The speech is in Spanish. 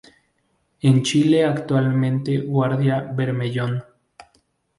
En Chile actualmente Guardia Bermellón.